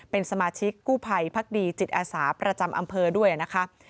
เป็นสมาชิกกู้ภัยพักดีจิตอาสาประจำอำเภอด้วยนะคะ